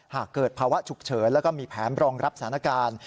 หากเกิดภาวะฉุกเฉินแล้วก็มีแผนรองรับสถานการณ์